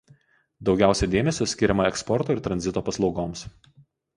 Daugiausia dėmesio skiriama eksporto ir tranzito paslaugoms.